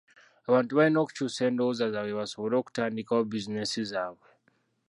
Abantu balina okukyusa endowooza zaabwe basobole okutandikawo bizinensi zaabwe.